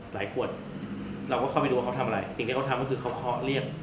ขวดเราก็เข้าไปดูว่าเขาทำอะไรสิ่งที่เขาทำก็คือเขาเคาะเรียก